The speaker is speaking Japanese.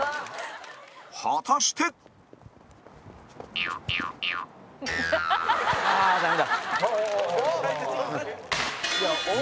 果たして村上：ああ、ダメだ。